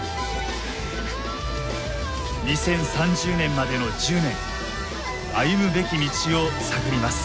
２０３０年までの１０年歩むべき道を探ります。